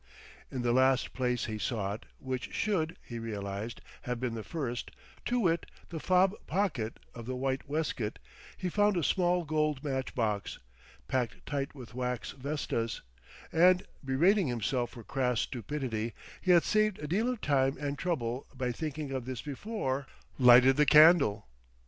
In the last place he sought, which should (he realized) have been the first, to wit, the fob pocket of the white waistcoat, he found a small gold matchbox, packed tight with wax vestas; and, berating himself for crass stupidity he had saved a deal of time and trouble by thinking of this before lighted the candle.